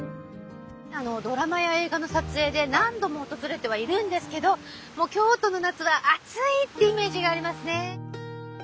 ドラマや映画の撮影で何度も訪れてはいるんですけど京都の夏は暑いってイメージがありますね。